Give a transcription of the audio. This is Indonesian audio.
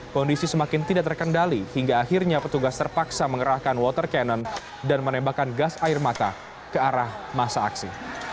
kondisi semakin tidak terkendali hingga akhirnya petugas terpaksa mengerahkan water cannon dan menembakkan gas air mata ke arah masa aksi